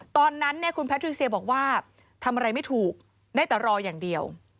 ตอนนั้นเนี่ยคุณแพทริเซียบอกว่าทำอะไรไม่ถูกได้แต่รออย่างเดียว